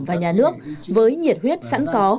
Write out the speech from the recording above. và nhà nước với nhiệt huyết sẵn có